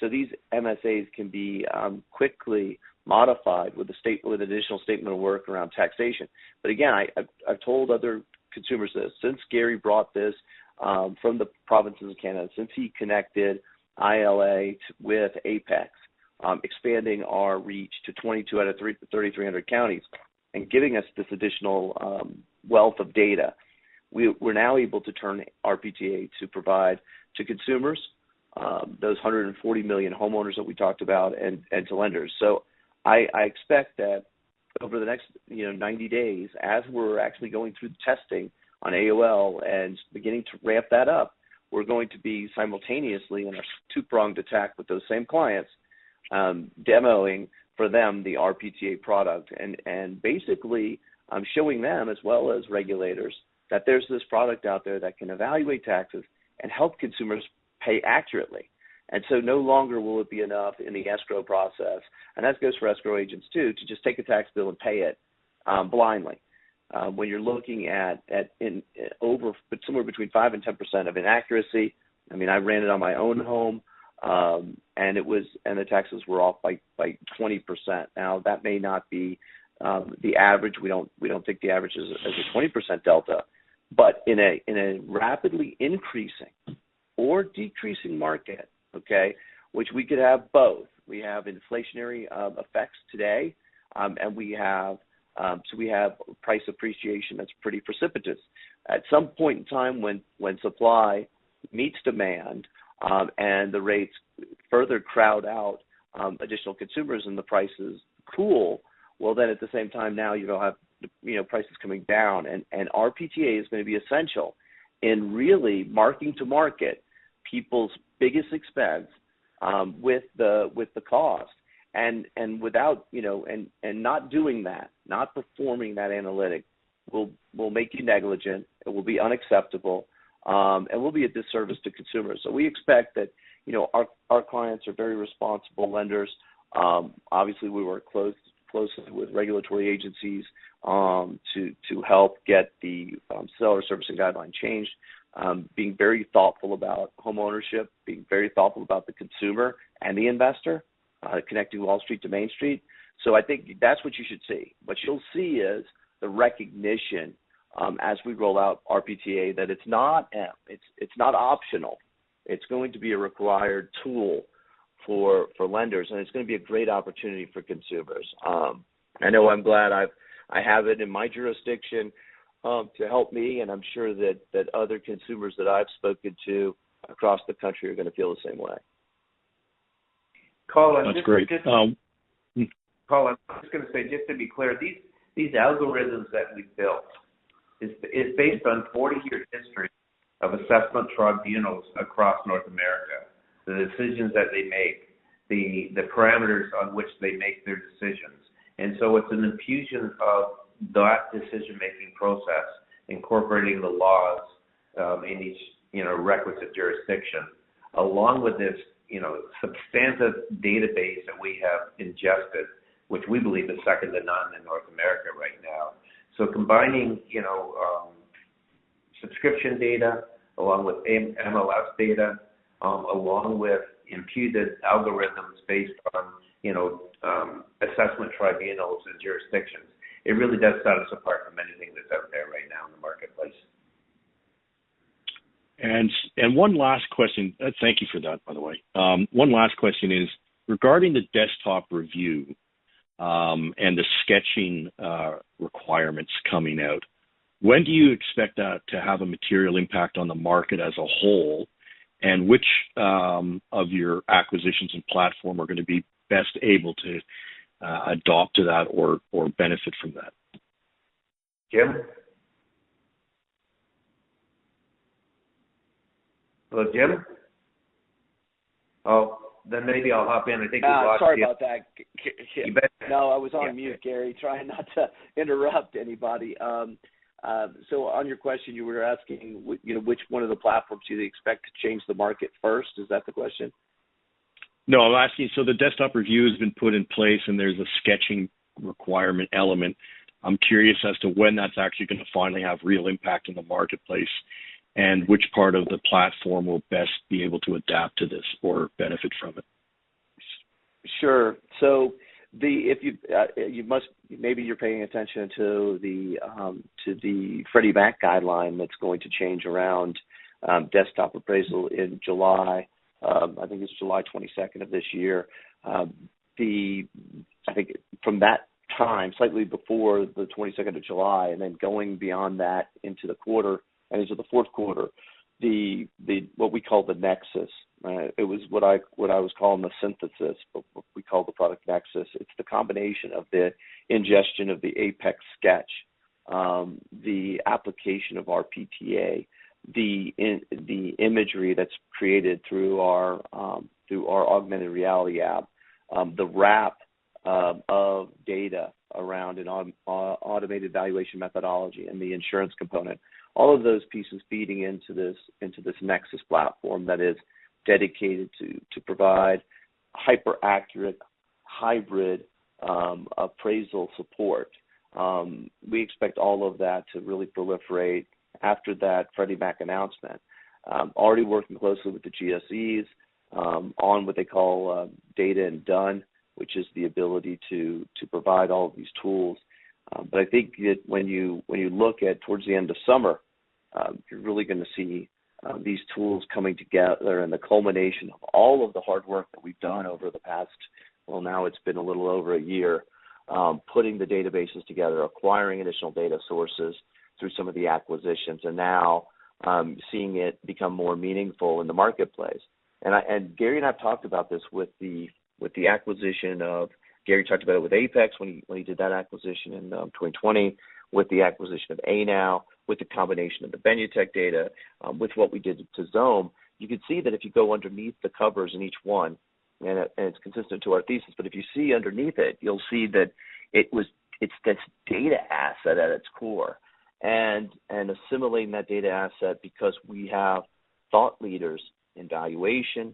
These MSAs can be quickly modified with additional statement of work around taxation. Again, I've told other consumers this. Since Gary brought this from the province of Canada, since he connected ILA with Apex, expanding our reach to 2,023-3,300 counties and giving us this additional wealth of data, we're now able to turn RPTA to provide to consumers those 140 million homeowners that we talked about and to lenders. I expect that over the next, you know, 90 days, as we're actually going through the testing on AOL and beginning to ramp that up, we're going to be simultaneously in a two-pronged attack with those same clients, demoing for them the RPTA product. Basically, I'm showing them as well as regulators that there's this product out there that can evaluate taxes and help consumers pay accurately. No longer will it be enough in the escrow process, and that goes for escrow agents too, to just take a tax bill and pay it blindly, when you're looking at somewhere between 5%-10% of inaccuracy. I mean, I ran it on my own home, and the taxes were off by 20%. Now, that may not be the average. We don't think the average is a 20% delta. In a rapidly increasing or decreasing market, okay, which we could have both, we have inflationary effects today, and we have price appreciation that's pretty precipitous. At some point in time when supply meets demand, and the rates further crowd out additional consumers and the prices cool, well, then at the same time now you're gonna have, you know, prices coming down. RPTA is gonna be essential in really mark-to-market people's biggest expense with the cost. Without doing that, not performing that analytics will make you negligent. It will be unacceptable. It will be a disservice to consumers. We expect that, you know, our clients are very responsible lenders. Obviously we work closely with regulatory agencies to help get the Selling and Servicing Guide changed, being very thoughtful about homeownership, being very thoughtful about the consumer and the investor, connecting Wall Street to Main Street. I think that's what you should see. What you'll see is the recognition, as we roll out our RPTA, that it's not optional. It's going to be a required tool for lenders, and it's gonna be a great opportunity for consumers. I know I'm glad I have it in my jurisdiction to help me, and I'm sure that other consumers that I've spoken to across the country are gonna feel the same way. Colin, I'm just gonna. That's great. Colin, I'm just gonna say, just to be clear, these algorithms that we built is based on 40-year history of assessment tribunals across North America, the decisions that they make, the parameters on which they make their decisions. It's an infusion of that decision-making process, incorporating the laws in each, you know, requisite jurisdiction, along with this, you know, substantive database that we have ingested, which we believe is second to none in North America right now. Combining, you know, subscription data along with MLS data, along with imputed algorithms based on, you know, assessment tribunals and jurisdictions, it really does set us apart from anything that's out there right now in the marketplace. One last question. Thank you for that, by the way. One last question is, regarding the desktop review and the sketching requirements coming out, when do you expect that to have a material impact on the market as a whole? Which of your acquisitions and platform are gonna be best able to adapt to that or benefit from that? Jim? Hello, Jim? Oh. Maybe I'll hop in. I think he lost you. Sorry about that. You bet. No, I was on mute, Gary, trying not to interrupt anybody. On your question, you were asking, you know, which one of the platforms do they expect to change the market first? Is that the question? No, I'm asking. The desktop review has been put in place and there's a sketching requirement element. I'm curious as to when that's actually gonna finally have real impact in the marketplace, and which part of the platform will best be able to adapt to this or benefit from it? Sure. If you maybe you're paying attention to the Freddie Mac guideline that's going to change around desktop appraisal in July, I think it's July 22nd of this year. I think from that time, slightly before the 22nd of July, and then going beyond that into the quarter, and into the fourth quarter, the what we call the Nexus, right? It was what I was calling the Synthesis, but we call the product Nexus. It's the combination of the ingestion of the Apex sketch, the application of our PTA, the imagery that's created through our through our augmented reality app, the wrap of data around an automated valuation methodology and the insurance component. All of those pieces feeding into this Nexus platform that is dedicated to provide hyper-accurate, hybrid appraisal support. We expect all of that to really proliferate after that Freddie Mac announcement. Already working closely with the GSEs on what they call data and done, which is the ability to provide all of these tools. I think when you look towards the end of summer, you're really gonna see these tools coming together and the culmination of all of the hard work that we've done over the past, well, now it's been a little over a year, putting the databases together, acquiring additional data sources through some of the acquisitions, and now seeing it become more meaningful in the marketplace. Gary and I have talked about this with the acquisition of APEX. Gary talked about it with APEX when he did that acquisition in 2020, with the acquisition of Anow, with the combination of the Benutech data, with what we did to Xome. You could see that if you go underneath the covers in each one, and it's consistent to our thesis, but if you see underneath it, you'll see that it's this data asset at its core. Assimilating that data asset because we have thought leaders in valuation,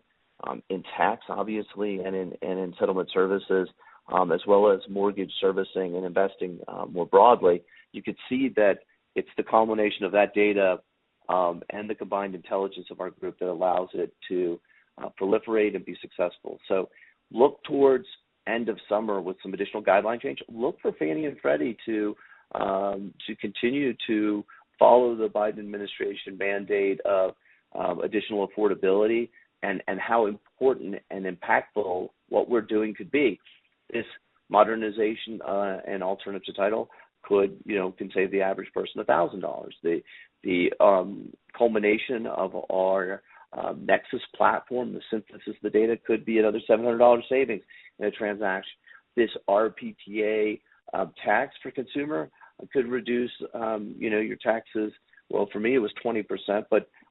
in tax, obviously, and in settlement services, as well as mortgage servicing and investing, more broadly. You could see that it's the culmination of that data and the combined intelligence of our group that allows it to proliferate and be successful. Look towards end of summer with some additional guideline change. Look for Fannie Mae and Freddie Mac to continue to follow the Biden administration mandate of additional affordability and how important and impactful what we're doing could be. This modernization and alternative to title could, you know, can save the average person 1,000 dollars. The culmination of our Nexus platform, the synthesis of the data could be another 700 dollar savings in a transaction. This RPTA tax for consumer could reduce your taxes. Well, for me, it was 20%,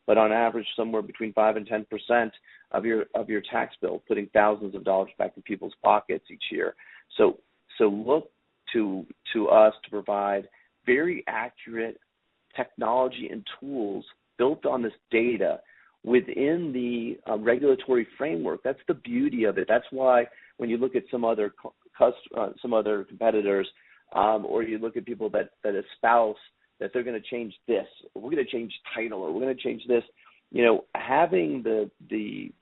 but on average, somewhere between 5%-10% of your tax bill, putting thousands of dollars back in people's pockets each year. Look to us to provide very accurate technology and tools built on this data within the regulatory framework. That's the beauty of it. That's why when you look at some other competitors, or you look at people that espouse that they're gonna change this, we're gonna change title, or we're gonna change this. You know, having the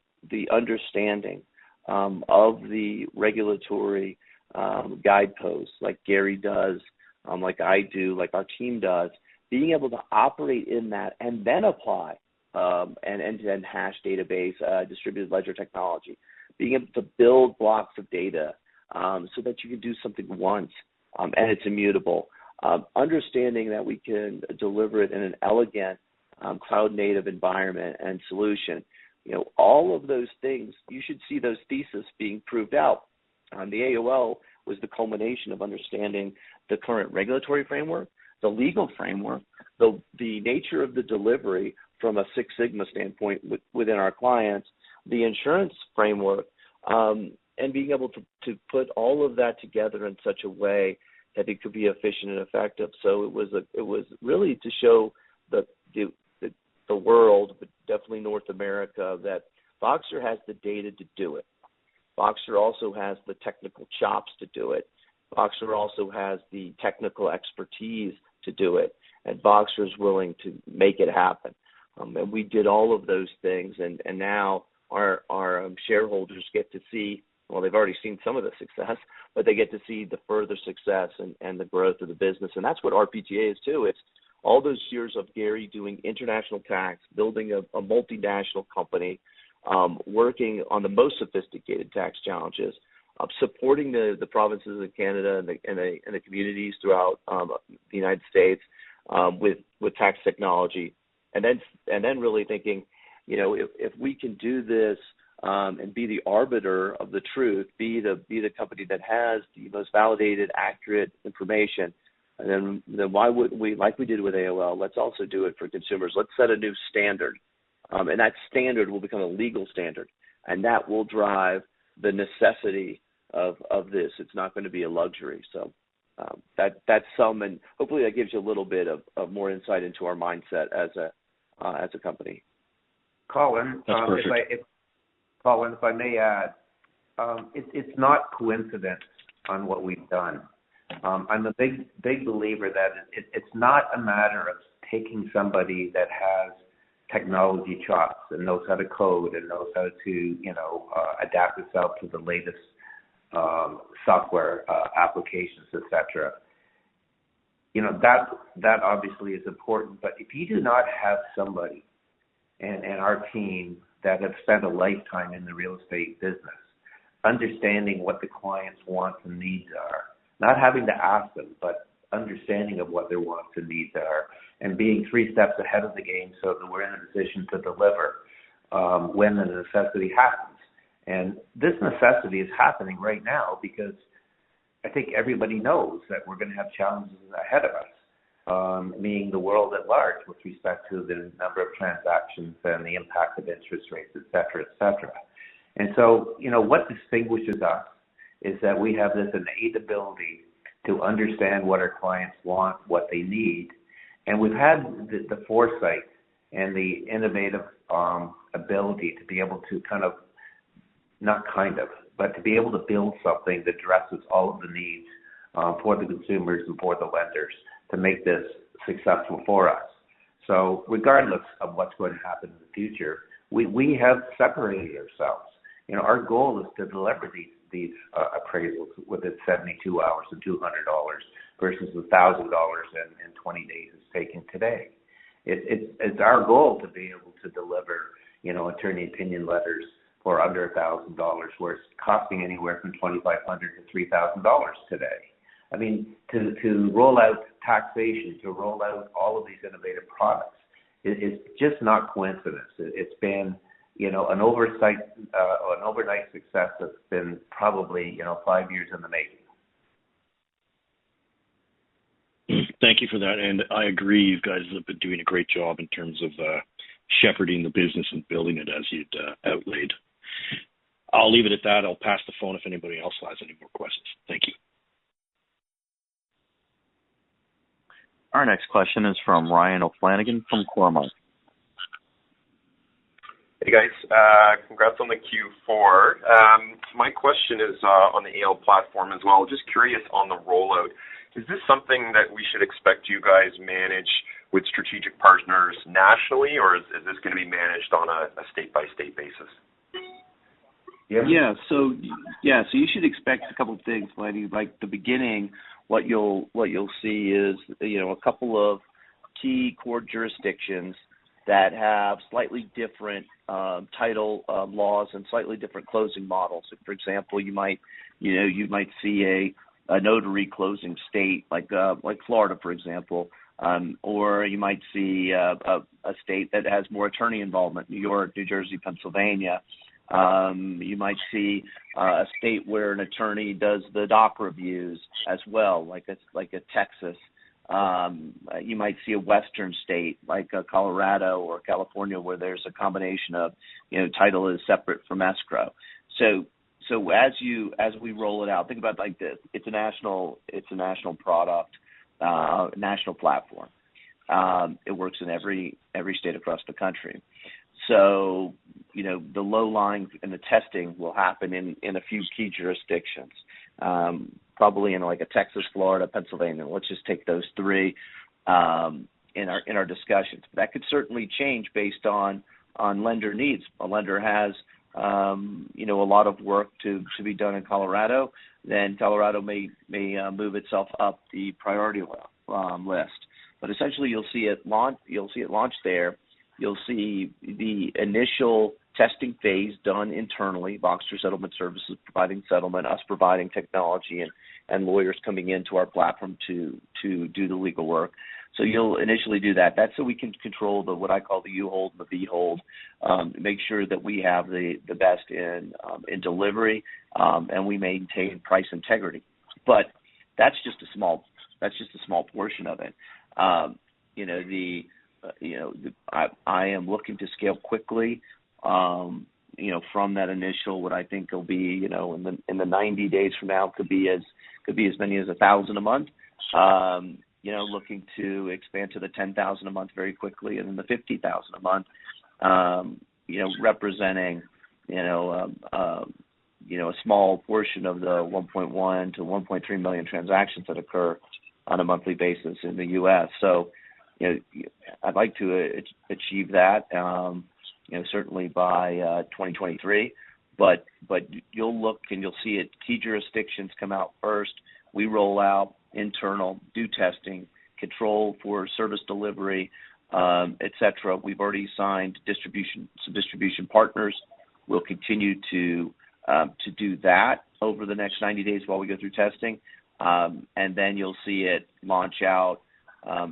understanding of the regulatory guideposts like Gary does, like I do, like our team does, being able to operate in that and then apply an end-to-end hash database, distributed ledger technology, being able to build blocks of data, so that you can do something once, and it's immutable. Understanding that we can deliver it in an elegant cloud-native environment and solution. You know, all of those things, you should see those theses being proved out. The AOL was the culmination of understanding the current regulatory framework, the legal framework, the nature of the delivery from a Six Sigma standpoint within our clients, the insurance framework, and being able to put all of that together in such a way that it could be efficient and effective. It was really to show the world, but definitely North America, that Voxtur has the data to do it. Voxtur also has the technical chops to do it. Voxtur also has the technical expertise to do it, and Voxtur is willing to make it happen. We did all of those things, and now our shareholders get to see. Well, they've already seen some of the success, but they get to see the further success and the growth of the business. That's what RPTA is too. It's all those years of Gary doing international tax, building a multinational company, working on the most sophisticated tax challenges, of supporting the provinces of Canada and the communities throughout the United States with tax technology. Really thinking, you know, if we can do this, and be the arbiter of the truth, be the company that has the most validated, accurate information, then why wouldn't we, like we did with AOL, let's also do it for consumers. Let's set a new standard. That standard will become a legal standard, and that will drive the necessity of this. It's not gonna be a luxury. That gives you a little bit of more insight into our mindset as a company. (crosstalk) That's perfect. Colin, if I may add, it's not a coincidence on what we've done. I'm a big believer that it's not a matter of taking somebody that has technology chops and knows how to code and knows how to, you know, adapt itself to the latest, software, applications, et cetera. You know, that obviously is important. But if you do not have somebody in our team that have spent a lifetime in the real estate business understanding what the clients' wants and needs are, not having to ask them, but understanding of what their wants and needs are, and being three steps ahead of the game so that we're in a position to deliver, when the necessity happens. This necessity is happening right now because I think everybody knows that we're gonna have challenges ahead of us, meaning the world at large with respect to the number of transactions and the impact of interest rates, etc., etc. You know, what distinguishes us is that we have this innate ability to understand what our clients want, what they need. We've had the foresight and the innovative ability to be able to build something that addresses all of the needs for the consumers and for the lenders to make this successful for us. Regardless of what's going to happen in the future, we have separated ourselves. You know, our goal is to deliver these appraisals within 72 hours and 200 dollars versus the 1,000 dollars and 20 days it's taking today. It's our goal to be able to deliver, you know, attorney opinion letters for under 1,000 dollars, where it's costing anywhere from 2,500-3,000 dollars today. I mean, to roll out taxation, to roll out all of these innovative products, it is just not coincidence. It's been, you know, an overnight success that's been probably, you know, five years in the making. Thank you for that. I agree, you guys have been doing a great job in terms of, shepherding the business and building it as you'd outlined. I'll leave it at that. I'll pass the phone if anybody else has any more questions. Thank you. Our next question is from Ryan O'Flanagan from Cormark. Hey, guys. Congrats on the Q4. My question is on the AOL platform as well. Just curious on the rollout, is this something that we should expect you guys manage with strategic partners nationally, or is this gonna be managed on a state-by-state basis? Yeah. You should expect a couple of things, Ryan. Like the beginning, what you'll see is a couple of key core jurisdictions that have slightly different title laws and slightly different closing models. For example, you might see a notary closing state like Florida, for example. Or you might see a state that has more attorney involvement, New York, New Jersey, Pennsylvania. You might see a state where an attorney does the doc reviews as well, like Texas. You might see a Western state like Colorado or California, where there's a combination of title is separate from escrow. As we roll it out, think about it like this, it's a national product, national platform. It works in every state across the country. You know, the low lines and the testing will happen in a few key jurisdictions, probably in like Texas, Florida, Pennsylvania. Let's just take those three in our discussions. That could certainly change based on lender needs. A lender has, you know, a lot of work to be done in Colorado, then Colorado may move itself up the priority list. Essentially, you'll see it launched there. You'll see the initial testing phase done internally, Voxtur Settlement Services, providing settlement, us providing technology and lawyers coming into our platform to do the legal work. You'll initially do that. That's so we can control what I call the U-Hold, the V-Hold, make sure that we have the best in delivery, and we maintain price integrity. That's just a small portion of it. You know, I am looking to scale quickly, you know, from that initial, what I think will be, you know, in the 90 days from now, could be as many as 1,000 a month. You know, looking to expand to the 10,000 a month very quickly and then the 50,000 a month, you know, representing a small portion of the 1.1 million-1.3 million transactions that occur on a monthly basis in the U.S. You know, I'd like to achieve that, you know, certainly by 2023. You'll look, and you'll see it. Key jurisdictions come out first. We roll out internal QA testing, controls for service delivery, etc. We've already signed some distribution partners. We'll continue to do that over the next 90 days while we go through testing. Then you'll see it launch out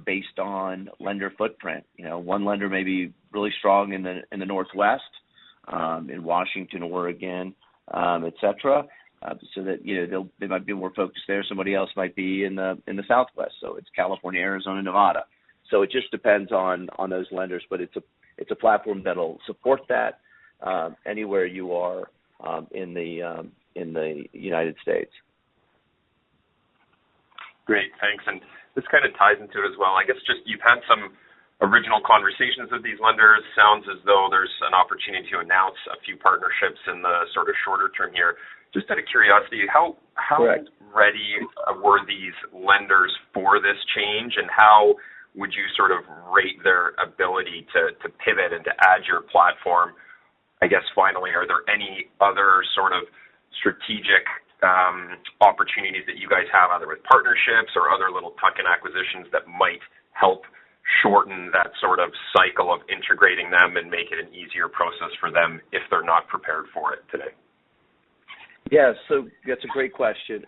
based on lender footprint. You know, one lender may be really strong in the Northwest, in Washington, Oregon, etc. You know, they might be more focused there. Somebody else might be in the Southwest, so it's California, Arizona, Nevada. It just depends on those lenders, but it's a platform that'll support that anywhere you are in the United States. Great. Thanks. This kind of ties into it as well. I guess just you've had some original conversations with these lenders. Sounds as though there's an opportunity to announce a few partnerships in the sort of shorter term here. Just out of curiosity, how? Correct. How ready were these lenders for this change, and how would you sort of rate their ability to pivot and to add your platform? I guess, finally, are there any other sort of strategic opportunities that you guys have, either with partnerships or other little tuck-in acquisitions that might help shorten that sort of cycle of integrating them and make it an easier process for them if they're not prepared for it today? Yeah. That's a great question.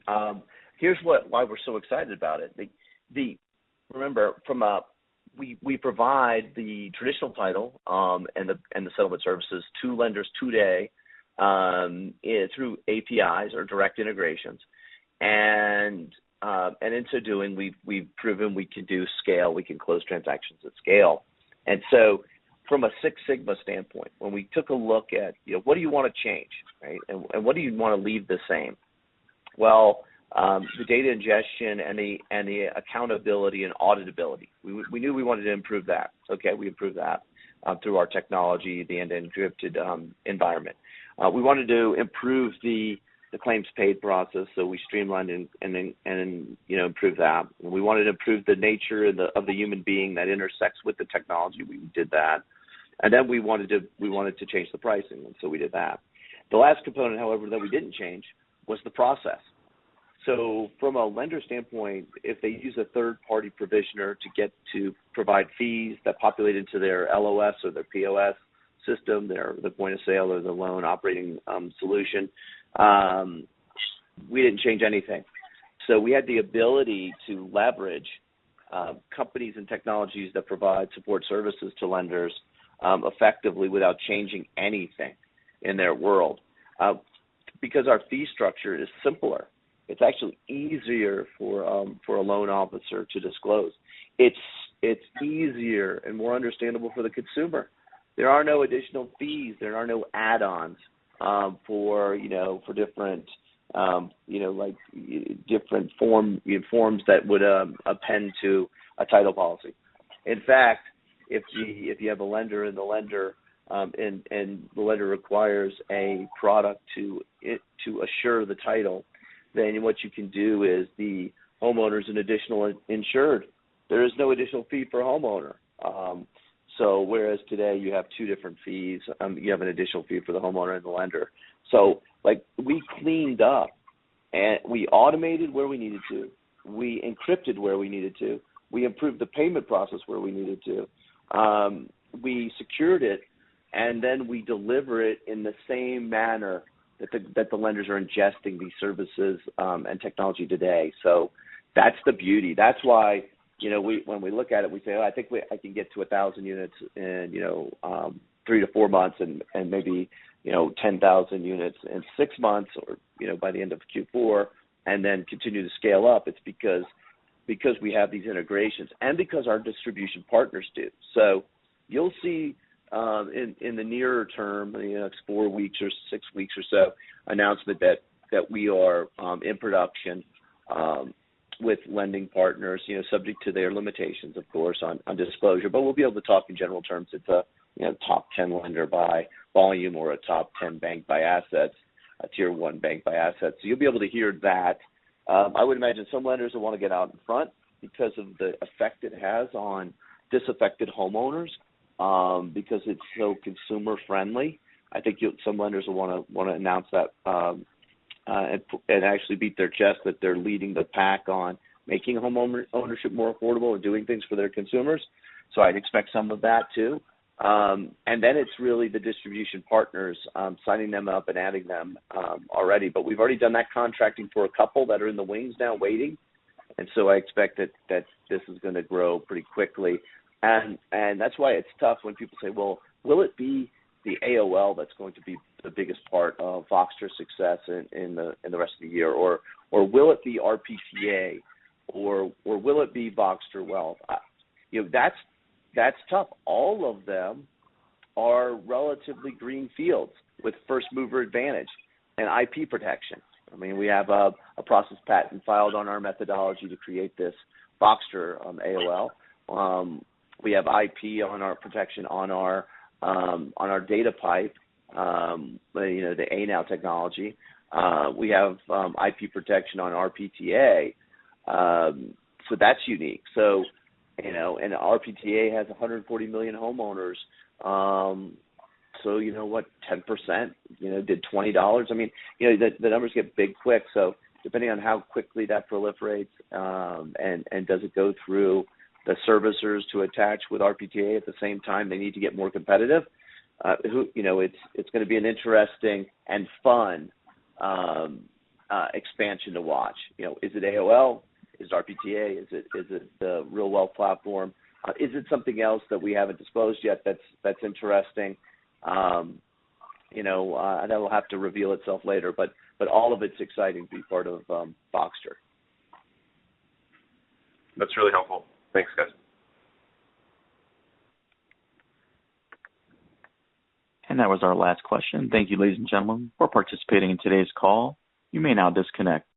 Here's why we're so excited about it. Remember, we provide the traditional title and the settlement services to lenders today through APIs or direct integrations. In so doing, we've proven we can do scale, we can close transactions at scale. From a Six Sigma standpoint, when we took a look at, you know, what do you wanna change, right? What do you wanna leave the same? The data ingestion and the accountability and auditability, we knew we wanted to improve that. Okay, we improved that through our technology, the end-to-end drifted environment. We wanted to improve the claims paid process, so we streamlined and then improved that. We wanted to improve the nature of the human being that intersects with the technology. We did that. We wanted to change the pricing, and so we did that. The last component, however, that we didn't change was the process. From a lender standpoint, if they use a third-party provisioner to provide fees that populate into their LOS or their POS system, the Point of Sale or the Loan Operating Solution, we didn't change anything. We had the ability to leverage companies and technologies that provide support services to lenders effectively without changing anything in their world, because our fee structure is simpler. It's actually easier for a loan officer to disclose. It's easier and more understandable for the consumer. There are no additional fees. There are no add-ons, you know, for different, you know, like different forms that would append to a title policy. In fact, if you have a lender, and the lender requires a product to assure the title, then what you can do is the homeowner is an additional insured. There is no additional fee for a homeowner. Whereas today you have two different fees, you have an additional fee for the homeowner and the lender. Like, we cleaned up and we automated where we needed to, we encrypted where we needed to, we improved the payment process where we needed to, we secured it, and then we deliver it in the same manner that the lenders are ingesting these services, and technology today. That's the beauty. That's why, you know, when we look at it, we say, "Oh, I think I can get to 1,000 units in, you know, three to four months and maybe, you know, 10,000 units in six months or, you know, by the end of Q4, and then continue to scale up." It's because we have these integrations and because our distribution partners do. You'll see, in the nearer term, you know, it's four weeks or six weeks or so, announcement that we are in production with lending partners, you know, subject to their limitations, of course, on disclosure. We'll be able to talk in general terms. It's a, you know, top 10 lender by volume or a top 10 bank by assets, a Tier 1 bank by assets. You'll be able to hear that. I would imagine some lenders will wanna get out in front because of the effect it has on disaffected homeowners, because it's so consumer friendly. I think some lenders will wanna announce that, and actually beat their chest that they're leading the pack on making home owner-ownership more affordable and doing things for their consumers. I'd expect some of that too. It's really the distribution partners signing them up and adding them already. We've already done that contracting for a couple that are in the wings now waiting. I expect that this is gonna grow pretty quickly. That's why it's tough when people say, "Well, will it be the AOL that's going to be the biggest part of Voxtur's success in the rest of the year? Or will it be RPTA or will it be Voxtur Wealth?" You know, that's tough. All of them are relatively green fields with first mover advantage and IP protection. I mean, we have a process patent filed on our methodology to create this Voxtur AOL. We have IP protection on our data pipe, you know, the Anow technology. We have IP protection on RPTA. So that's unique. So, you know, RPTA has 140 million homeowners. So you know what, 10%, you know, did 20 dollars. I mean, you know, the numbers get big quick. So depending on how quickly that proliferates, and does it go through the servicers to attach with RPTA at the same time they need to get more competitive, who. You know, it's gonna be an interesting and fun expansion to watch. You know, is it AOL? Is it RPTA? Is it the RealWealth platform? Is it something else that we haven't disclosed yet that's interesting, you know, and that will have to reveal itself later? All of it's exciting to be part of, Voxtur. That's really helpful. Thanks, guys. That was our last question. Thank you, ladies and gentlemen, for participating in today's call. You may now disconnect.